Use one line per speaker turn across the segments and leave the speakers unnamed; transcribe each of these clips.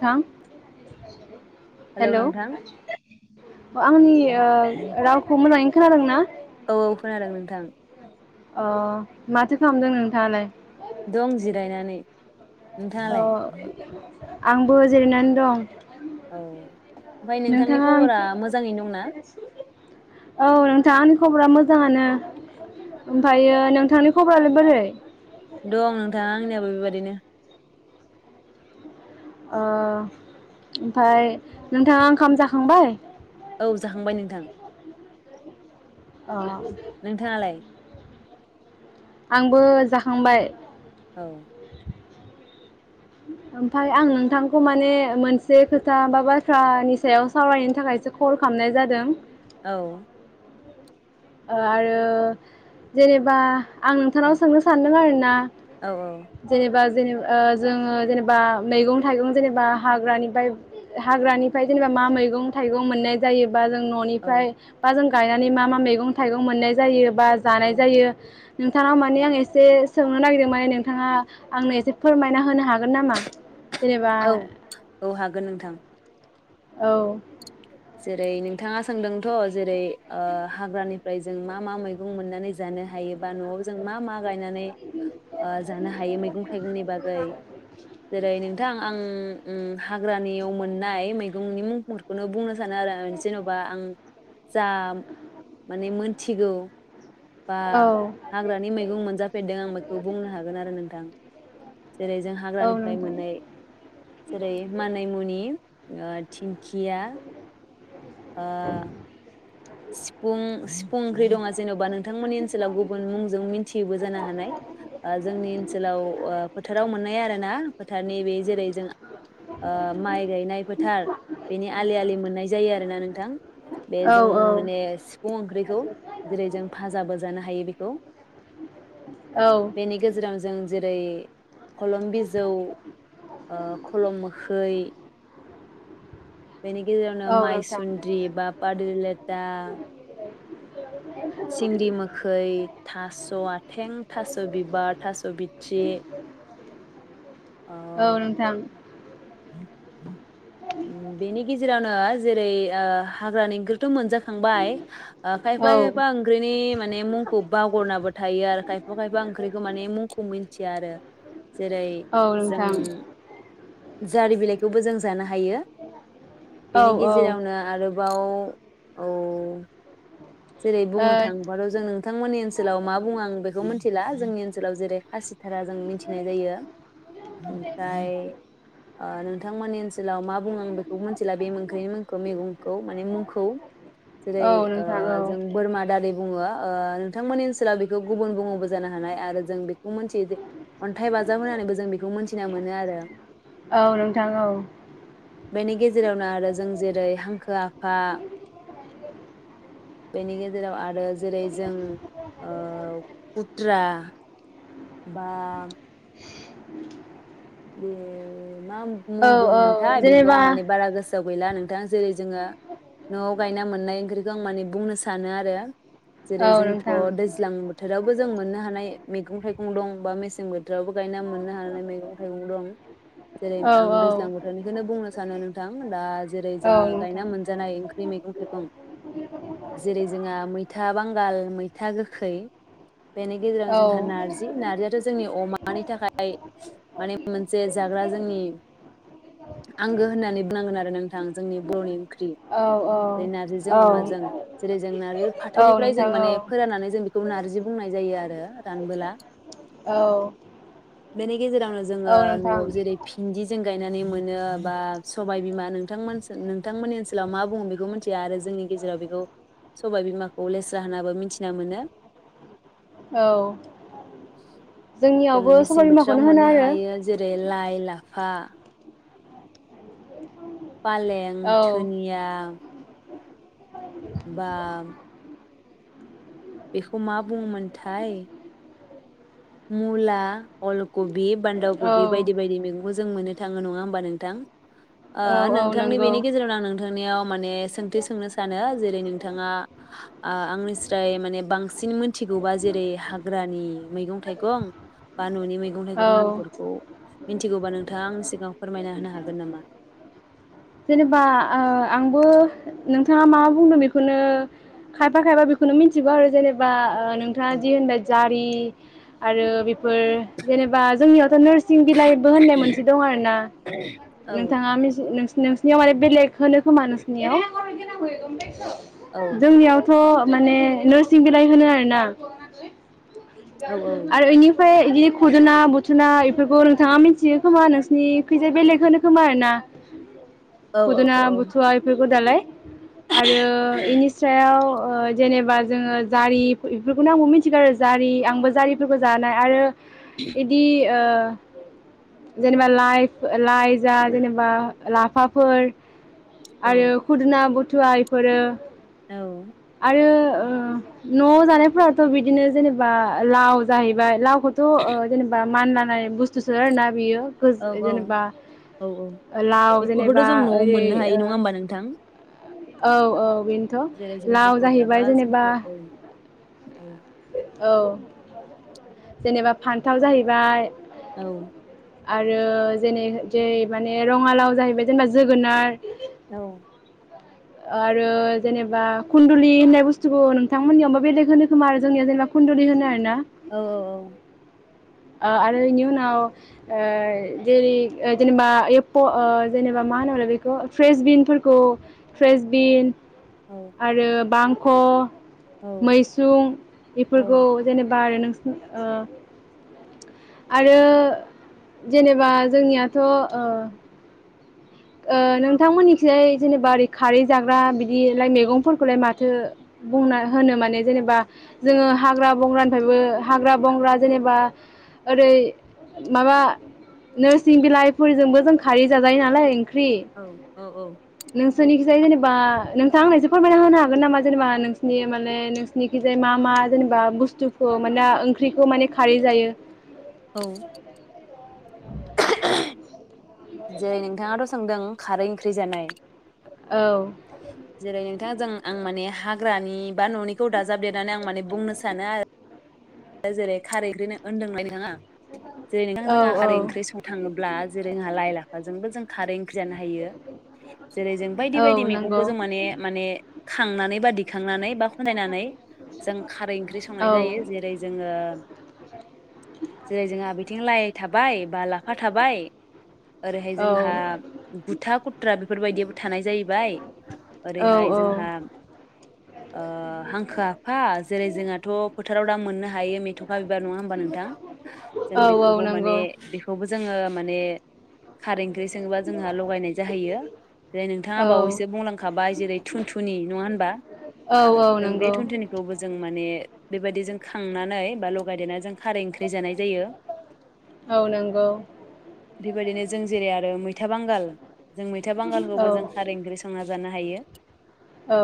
थां हेलौ आंनि ओ रावखौ मोजाङै खोनादों ना?
औ औ खोनादों नोंथां।
अ' माथो खालामदों नोंथाङालाय?
दं जिरायनानै
ओ
नोंथाङालाय
आंबो जिरायनानै दं।
औ ओमफ्राय
[inaudible]
नोंथांनि
नोंथाङा
खबरा मोजाङैनो दंना
औ नोंथाङा आंनि खबरा मोजाङानो ओमफ्रायो नोंथांनि खबरालाय बोरै?
दं नोंथां आंनियाव बेबदिनो
अ' ओमफाइ नोंथाङा ओंखाम जाखांबाय?
औ जाखांबाय नोंथां। नोंथाङालाय
अ' आंबो जाखांबाय
औ
ओमफाय आं नोंथांखौ माने मोनसे खोथा बा बाथ्रानि सायाव सावरायनायनि थाखायसो कल खालामनाय जादों
औ
ओ आरो जेनेबा आं नोंथांनाव
औ
सोंनो सानदों आरोना
औ
जेनेबा जेनेबा जोङो जेनेबा मैगं थाइगं जेनेबा हाग्रानिफ्राय हाग्रानिफ्राय जेनेबा मा मैगं थाइगं मोननाय जायो बा जों
औ
न'निफ्राय बा जों गायनानै मा मा मैगं थाइगं मोननाय जायो बा जानाय
औ
जायो नोंथांनाव माने आं एसे सोंनो नागिरदों माने नोंथाङा आंनो एसे फोरमायना होनो हा हागोन नामा जेनेबा
गोन नोंथां
औ
जेरै नोंथाङा सोंदोंथ' जेरै ओ हाग्रानिफ्राय जों मा मा मैगं मोननानै जानो हायोबा न'आव जों मा मा गायनानै ओ जानो हायो मैं थाइगंनि बागै जेरै नोंथां आं ओम हाग्रानियाव मोननाय मैगंनि मुंफोरखौनो बुंनो सानो आरो आं जेन'बा आं जा माने मोनथिगौ बा
औ
हाग्रानि मैगं मोनजाफेरदों आं बेखौ बुंनो हागोन आरो नोंथां जेरै जों
औ
हाग्रानिफ्राय
नोंथां
मोननाय जेरै मानै मुनि ओ थिं खिया ओ सिफुं सिफुं ओंख्रि दङा जेन'बा नों थांमोननि ओनसोलाव गुबुन मुंजों मिथियोबो जानो हानाय ओ जोंनि ओनसोलाव ओ फोथाराव मोननाय आरोना फोथार नैबे जेरै जों ओ माइ गायनाय फोथार बेनि आलि आलि मोननाय जायो आरोना नोंथां।
औ
बेजों
औ
माने सिफुं ओंख्रि खौ जेरै जों फाजाबो जानो हायो बेखौ।
औ
बेनि गेजेराव जों। जेरै खलम बिजौ ओ खलम मोखै बेनि गेजेरावनो
औ नोंथां
मायसुन्द्रि बा पादोललेथा।
[unintelligible]
सिंग्रि मोखै थास आथें थास बिबार थास बिथ्रि।
औ नोंथां।
[inaudible] उम बेनि गेजेरावनो जेरै ओ हाग्रानिखोथ मोनजा खांबाय ओ
औ
खायफा खायफा ओंख्रिनि माने मुंखौ बावगरनाबो थायो आरो खायफा खायफा ओंख्रिखौ माने मुंखौ मिथिया आरो जेरै
औ
जों।
नोंथां
जारि बिलाइखौबो जों जानो हा हायो
औ
बिनि
औ
गेजेरावनो आरो बाव औ। जेरै
ओ
बुंनो थाङोबाथ जों नोंथांमोननि ओनसोलाव मा बुङो आं बेखौ मिथिला जोंनि ओनसोलाव जेरै हासिब थारा जों मिथिनाय जायो ओमफ्राय ओ नोंथांमोननि ओनसोलाव मा बुङो आं बेखौ मिथिला बे ओख्रैनि मुंखौ मैगंखौ माने मुंखौ जेरै
औ
ओ।
नोंथां औ
जों बोरमा दारि बुङो ओ। नोंथांमोननि ओनसोलाव बेखौ गुबुन बुङोबो जानो हानाय आरो जों खौ‌ मोनथियो जे अन्थाइ बाजाब होनानैबो जों बेखौ मोनथिना मोनो आरो।
औ नोंथां औ
बेनि गेजेरावनो आरो जों जेरै हांखो आफा बेनि गेजेराव आर रो जेरै जों ओ खुथ्रा बा।
[inaudible]
ए। मा मुं
औ औ
बुङोमोनथाय बेखौ
जेनेबा
आं माने बारा गोस सोआव गैलानों थां जेरै जोंङो न गायना मोननाय ओंख्रिखौ आं माने बुंनो सानो आरो
औ
जेरै जोंथ'
नोंथां
दैज्लां बोथोरावबो जों मोननो हानाय मैगं थाइगं दं बा मेसें बो जेरावबो गायना मोननो हानाय मैगं मेगं दं जेरै
औ
आं
औ
दैज्लां बोथोरनिखौनो बुंनो सानो नोंथां दा जेरै
औ
जोंङो गायना
नोंथां
मोनजानाय ओंख्रि मैगं थाइगं जेरै जोंहा मैथा बांगाल मैथा गोखै बेनि गेजेराव
औ
जोंहा नारजि नार्जियाथ' जोंनि अमानि थाखाय माने मोनसे जाग्रा जोंनि आंगो होननानै बुंनांगोन आरो नोंथां जोंनि बर'नि ख्रि
औ
बे नारजि जों
औ औ
अमाजों जेरै जों नारिखौ
औ
फाथोनिफ्राइ जों
नोंथां
माने
औ
फोराननानै जों बिखौ नारजि बुंनाय जायो आरो रानबोला
औ
[unintelligible] गेजेरावनो जोंङो
औ नोंथां
न'आव जेरै फिन्दि जों गायनानै मोनो बा सबबायबिमा नोंथांमोन नोंथांमोननि ओनसोलाव मा बुंङो बेखौ मोनथिया आरो जोंनि गेजेराव बेखौ सबाय बिमाखौ लेहरा होननाबी मोनथिना मोनो।
औ
जोङो
जोंनियावबो सब बिमाखा
[unintelligible] मोननो हायो जेरै लाइ ला फा फालें
औ
धोनिया बा बेखौ मा बुङोमोनथाय। मुला अलकबि बान्दा
औ
कबि बायदि बायदि मैगंखौ जों मोनो । थाङो नङा होनोमबा नोंथां?
औ औ
नोंथांनि
नंगौ
बेनि गेजेराव आं नोंथांनियाव माने सोंथि सोंनो सानो जेरै नोंथाङा आंनि स्राय माने बां बांसिन मोनथिगौबा जेरै हाग्रानि मैगं थाइगं गं बा न'नि मैगं
औ
थाइगं थिगौब्ला नोंथाङा आंनि सिगाङाव फोरमायना होनो हागोन नामा?
जेनेबा ओ आंबो नोंथाङा मा मा बुंदों बेखौनो खायफा खायफा बेखौनो मिथिगौ आरो जेनेबा ओ नोंथाङा जि
उम
होनबाय जारि आरो बेफोर जेनेबा जोंनियावथ' नोरस सिं बिलाइबो होन्नाय मोनसे दं आरो ना
औ
नोंथाङा [unintelligible] नोंसिनियाव माने बेलेग होनोखोमा नोंसोरनियाव?
औ
[unintelligible] जोंनियावथ' माने नोरसिं बिलाइ होनो आरोना।
औ
आरो इनिफ्राय इदिनो खुदुना बु ना इफोरखौ नोंथाङा मिथियो खोमा नोंसिनि खैजाय बेलेग होनो खोमा आरोना।
औ
खुदुना
औ
बुथुया [unintelligible] गदालाय। आरो इनि सायाव। ओ जेनेबा जोङो जारि इफोरखौनो आंबो मिथिगौ आरो जारि। आंबो जारिफोरखौ जानाय आरो इदि। ओ जेनेबा लाइफ लाइ जा जेनेबा। लाफाफोर।
औ
आरो खुदुना बु थुवा इफोरो
औ।
[unintelligible] ओ न'आव जानायफोराथ' बिदिनो जेनेबा लाव जाहैबाय लाव खौथ ओ जेनेबा [unintelligible] नाय बुस्थुसो आरोना बियो।
औ
[unintelligible] जेनेबा
औ औ
लाव
बेखौबोथ'
जेनेबा
जों न'आव
ओरै
मोननो हायो नङा होमबा नोंथां
ओ औ औ बेनोथ'।
जेरै जों
लाव
जेखौ
जाहैबाय
जाग्रा
जेनेबा
जोंखौ [unintelligible] [unintelligible]
औ जेनेबा फान्थाव जाहैबाय।
औ।
आरो जेनै जेरै माने रङा लाव जाहैबाय जोंना जोगोनार
औ।
आरो जेनेबा खुन्दुलि होननाय बुस्थुखौ नोंथांमोननियावबा बेलेग होनो खोमा आरो जोंनियाव जेनेबा खुन्दुलि होनो आरो ना।
औ
ओ आरो इनि उनाव ओ जेरै जेनेबा एप्प' ओ जेनेबा मा होनोमोनलाय बेखौ फ्रेसबिनफोरखौ फ्रेसबिन।
औ
आरो बां क
औ
मैसुं
औ
बेफोरखौ जेनेबा आरो नों ओ। आरो जेनेबा जोंनियाथ' ओ ओ नोंथांमोननिखैजाय जेनेबा ओरै खारै जाग्रा बिदिलाय मैगंफोरखौलाय माथो बुंना होनो माने जेनेबा जोङो हाग्रा बंग्रानिफ्रायबो हाग्रा बंग्रा जेनेबा ओरै माबा नोरसिं बिलाइफोरजोंबो जों खारै जाजायो नालाय ओंख्रि
औ औ
नोंसोरनिखिजाय जेनेबा बा नोंथांआ आंनो एसे फोरमायना होनो हागोन नामा जेनेबा नोंसोरनि माने नोंसिनिखिजाय मा मा जेनेबा बुस्थुखौ माहोनो ओंख्रिखौ माने खारै जायो?
औ। [unintelligible] जेरै नोंथाङाथ' सोंदों खारै ओंख्रि जानाय
औ।
नोंथां जों आं माने हाग्रानि बा ननिखौ दाजाबदेरनानै आं माने बुंनो सानो आरो दा जेरै खारै ओंख्रि होनदों नोंथाङा जेरै नोंथां
औ
जोंहा
औ
खारै ओंख्रि संनो थाङोब्ला जेरै जोंहा लाइ लाफाजोंबो जों खारै ओंख्रि जानो हायो जेरै जों बायदि
औ
बायदि
नंगौ
मैगंखौ जों माने माने खांनानै बा दिखांनानै बा खनसायनानै जों खारै ओंख्रि संनाय
औ
जायो जेरै जोङो जेरै जोङो बिथिं लाइ थाबाय बा लाफा थाबाय ओरैहाय
औ
जोंहा बुथुवा खुथ्रा बेफोरबायदिबो थानाय जाहैबाय,
औ
ओरैहाय
औ
जोंहा ओ हांखो आफा जेरै जोंहाथ' फोथाराव दा मोननो हायो मेथ' मेथ'खा बिबार नङा होमबा नोंथां, जों
औ औ
बेखौबो माने
नंगौ
बेखौबो जोङो माने खारै ओंख्रि सङोबा जोंहा लगायनाय जाहैयो जेरै नोंथाङा
औ
बावैसो बुंलांखाबाय जेरै थुनथुनि नङा होनबा?
औ औ
जों बे
नंगौ
थुनथुनिखौबो जों माने बेबायदि जों खांनानै बा लगायदेरनानै जों खारै ओंख्रि जानाय जाय।
औ नंगौ
बेबायदिनो जों जेरै आरो मैथा बांगाल जों मैथा
औ
बांगालखौबो जों खारै ओंख्रि संना जानो हायो। [inaudible]
औ।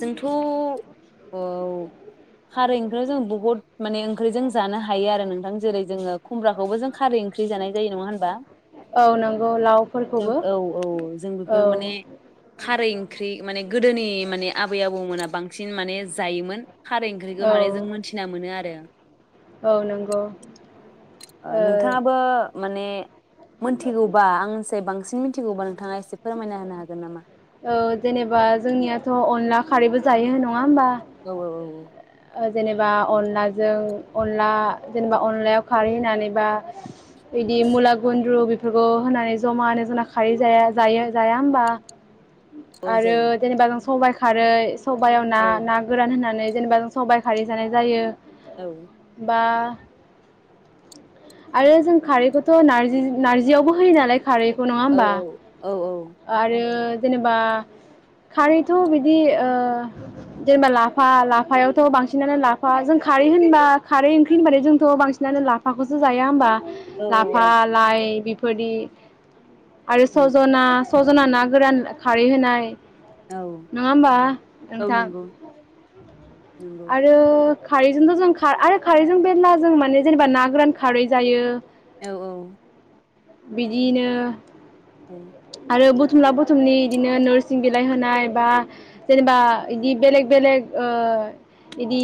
जोंथ' अउ खारै ओंख्रियाव जों बहुत माने ओंख्रिजों जानो हायो आरो नोंथां जेरै जोङो खुमब्राखौबो जों खारै ओंख्रि जानाय जायो नङा होनबा?
औ नंगौ लावफोरखौबो
औ औ जों
औ
बेफोर माने खारै ओंख्रि माने गोदोनि माने आबै आबौमोना बांसिन माने जायोमोन खारै ओंख्रिखौ
औ
माने जों मोनथिना मोनो आरो।
औ नंगौ ओ
नोंथाङाबो माने मिथिगौबा आंनिफ्राय बांसिन मि मिथिगौबा नोंथाङा एसे फोरमायना होनो हागोन नामा?
औ जेनेबा जोंनियाथ' अनला खारैबो जायो न
औ औ औ औ
ओ जेनेबा अनलाजों अनला जेनेबा अनलायाव खारै होनानै बा बिदि मुला गुन्द्रु बेफोरखौ होनानै जमा होनानो जना खारै जाया जायो जाया होनोमबा
औ
आरो
जायो
जेनेबा [unintelligible] सबायाइ खारै सबायाव ना
औ
ना गोरान होननानै जेनबा जों सबायाइ खारै जानाय जायो
औ
बा आरो जों खारैखौथ' नारजि नारजियावबो होयो नालाय खारैखौ नङा
औ
होमबा
औ
आरो यो जेनेबा खारैथ' बिदि ओ जेनेबा लाफा लाफायावथ' बांसिनानो लाफा जों खारै होनबा खारै ओंख्रि होनबानो जोंथ' बांसिनानो लाफाखौसो जाया होमबा
औ
लाफा लाइ बि फोरबायदि आरो
औ
सजना सजना ना गोरान खारै होनाय
औ
नङा होमबा
औ
नोंथां
नंगौ नंगौ
आरो खारैजोंथ' जोंखा आरो खारैजों बेरला जों माने जेनेबा ना गोरान खारै जायो
औ औ
बिदिनो
ओं
आरो बुथुमला बुथुमनि इदिनो नोरसिं बिलाइ होनाय बा जेनेबा इदि बेलेग बेलेग ओ इदि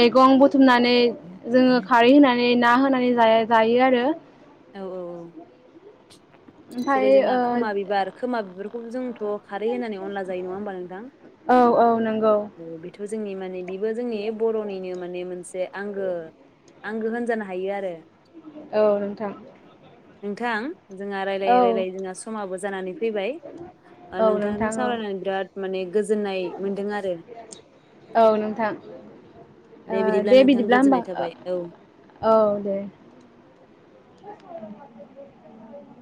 मैगं बुथु थुमनानै जोङो खारै होनानै जेरै ना होनानै जाया जायो आरो [unintelligible]
औ औ
ओमफ्राय
जेरै जोंना
ओ
खोमा बिबार खोमा बिबार ओं जोंथ' खारै होननानै अनला जायो नङा होमबा नोंथां
औ औ नं
ओ बेथ' जोंनि माने बेबो जोंनि बर'निनो माने मोनसे आंगो आंगो होनजानो हायो आरो।
औ नोंथां
नोंथां जोंहा रायलायै
औ
रायलायै जोंहा समाबो जानानै फैबाय ओ
औ
नोंथांजों
नोंथां औ
सावरायनानै बिराद माने गोजोननाय मोन्दों आरो
औ नोंथां दे
नोंथां
बिदिब्ला होमबा
गोजोननाय थाबाय औ
औ दे [inaudible]